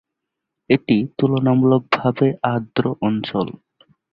এটি তুলনামূলকভাবে আর্দ্র অঞ্চল।